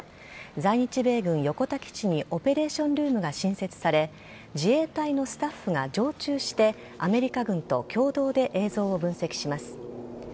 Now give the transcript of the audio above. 在日米軍・横田基地にオペレーションルームが新設され自衛隊のスタッフが常駐してアメリカ軍と共同で映像を分析します。